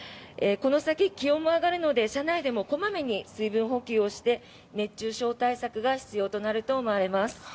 この先、気温も上がるので車内でも小まめに水分補給をして熱中症対策が必要と思われます。